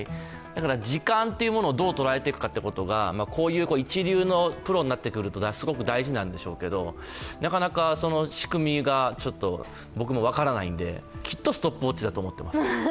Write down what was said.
だから、時間というものをどう捉えていくかというのはこういう一流のプロになってくると、すごく大事なんでしょうが、なかなかその仕組みが僕も分からないのできっとストップウオッチだと思っています。